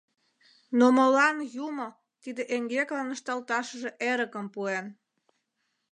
— Но молан Юмо тиде эҥгеклан ышталташыже эрыкым пуэн?